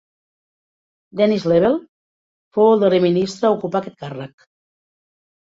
Denis Lebel fou el darrer ministre a ocupar aquest càrrec.